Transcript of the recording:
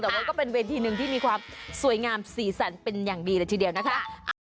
แต่ว่าก็เป็นเวทีหนึ่งที่มีความสวยงามสีสันเป็นอย่างดีเลยทีเดียวนะคะ